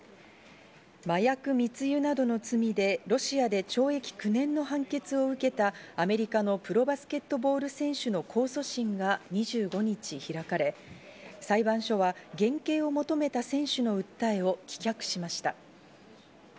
麻薬密輸などの罪でロシアで懲役９年の判決を受けたアメリカのプロバスケットボール選手の控訴審が２５日に開かれ、裁判所は減刑を求めた選手の訴えを棄却しました。